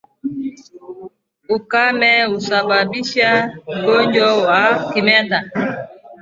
Ukame husababisha ugonjwa wa kimeta